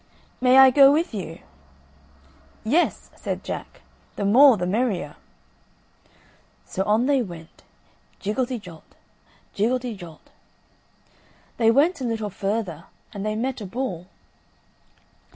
"May I go with you?" "Yes," said Jack, "the more the merrier." So on they went, jiggelty jolt, jiggelty jolt. They went a little further and they met a bull.